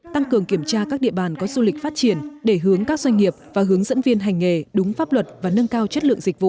tăng cường kiểm tra các địa bàn có du lịch phát triển để hướng các doanh nghiệp và hướng dẫn viên hành nghề đúng pháp luật và nâng cao chất lượng dịch vụ